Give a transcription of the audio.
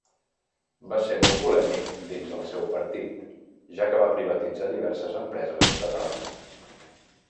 Va ser molt polèmic dins el seu partit, ja que va privatitzar diverses empreses estatals.